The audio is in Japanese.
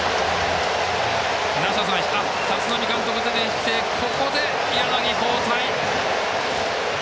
立浪監督出てきてここで柳、交代。